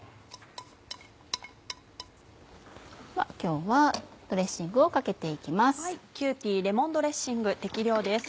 今日はドレッシングをかけて行きます。